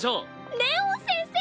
レオン先生！